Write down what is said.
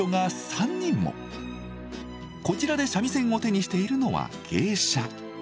こちらで三味線を手にしているのは芸者。